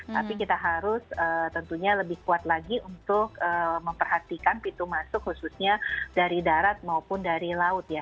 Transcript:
tapi kita harus tentunya lebih kuat lagi untuk memperhatikan pintu masuk khususnya dari darat maupun dari laut ya